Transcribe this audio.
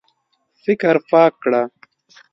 فکر پاک کړه.